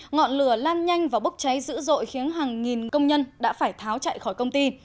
ngọn lửa lan nhanh và bốc cháy dữ dội khiến hàng nghìn công nhân đã phải tháo chạy khỏi công ty